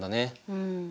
うん。